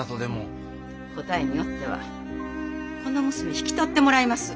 答えによってはこの娘引き取ってもらいます。